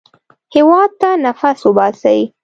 هېواد ته نفس وباسئ